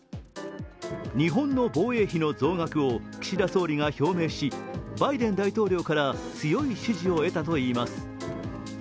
日本の防衛費の増額を岸田総理が表明しバイデン大統領から強い支持を得たといいます。